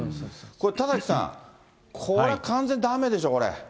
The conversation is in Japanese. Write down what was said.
これ田崎さん、これは完全にだめでしょ、これ。